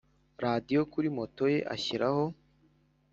radiyo kuri moto ye ashyiraho